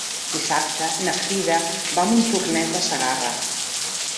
Dissabte na Frida va a Montornès de Segarra.